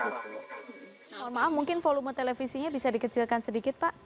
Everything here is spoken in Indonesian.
mohon maaf mungkin volume televisinya bisa dikecilkan sedikit pak